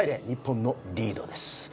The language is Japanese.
日本のリードです。